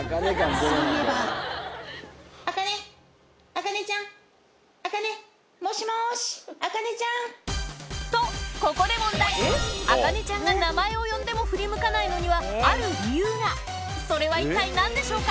そういえばとここで問題茜ちゃんが名前を呼んでも振り向かないのにはある理由がそれは一体何でしょうか？